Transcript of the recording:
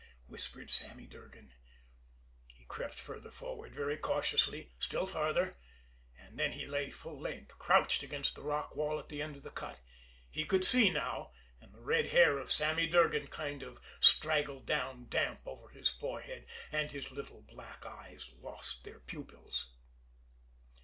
whispered Sammy Durgan. He crept farther forward, very cautiously still farther and then he lay full length, crouched against the rock wall at the end of the cut. He could see now, and the red hair of Sammy Durgan kind of straggled down damp over his forehead, and his little black eyes lost their pupils.